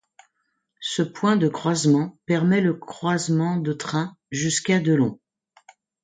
Ce point de croisement permet le croisement de trains jusqu'à de long.